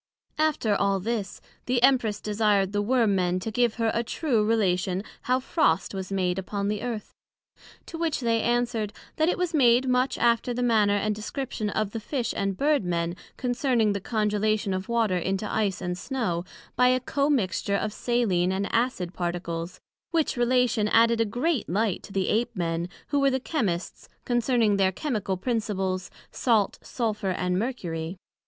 After all this, the Empress desired the Worm men to give her a true Relation how frost was made upon the Earth? To which they answered, That it was made much after the manner and description of the Fish and Bird men, concerning the Congelation of Water into Ice and Snow, by a commixture of saline and acid particles; which relation added a great light to the Ape men, who were the Chymists, concerning their Chymical principles, Salt, Sulphur, and Mercury.